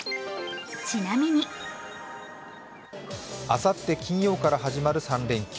あさって金曜から始まる３連休。